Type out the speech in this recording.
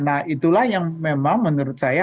nah itulah yang memang menurut saya